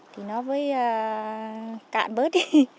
thì nó với cạn bớt đi